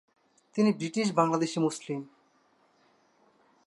তিনি ব্রিটিশ বাংলাদেশী মুসলিম।